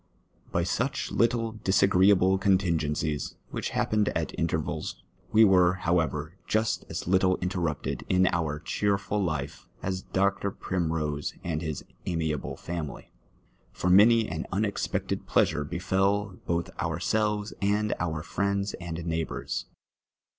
By such little disagreeable contigencics, which happened at intervals, wc were, however, just as little inteiTupted in our cheerful life as Dr. Primrose and his amiable family ; for many an unexpected pleasure befell both ourselves and oui friends and neighbours.